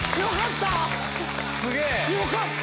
よかった！